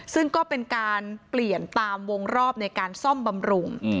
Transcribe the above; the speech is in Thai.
ซึ่งก็เป็นการเปลี่ยนตามวงรอบในการซ่อมบำรุง